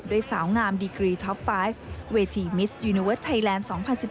ด้วยสาวงามดีกรีท็อป๕เวทีมิสต์ยูนิเวิร์สไทยแลนด์๒๐๑๗